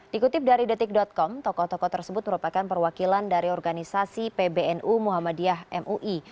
dikutip dari detik com tokoh tokoh tersebut merupakan perwakilan dari organisasi pbnu muhammadiyah mui